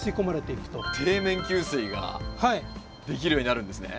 底面給水ができるようになるんですね。